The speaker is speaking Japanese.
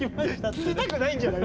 聴きたくないんじゃない？